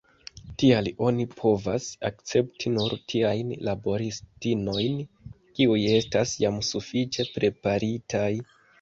Tial ni povas akcepti nur tiajn laboristinojn, kiuj estas jam sufiĉe preparitaj.